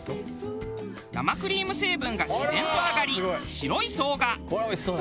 生クリーム成分が自然と上がり白い層が。